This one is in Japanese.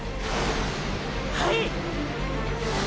はい！！